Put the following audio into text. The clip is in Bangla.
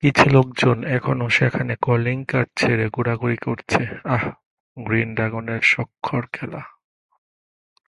কিছু লোকজন এখনো সেখানে কলিং কার্ড ছেড়ে ঘুরাঘুরি করছে আহ, গ্রিন ড্রাগনের সখ্যার খেলা?